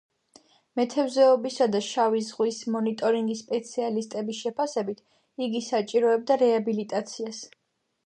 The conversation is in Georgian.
მეთევზეობისა და შავი ზღვის მონიტორინგის სპეციალისტების შეფასებით, იგი საჭიროებდა რეაბილიტაციას.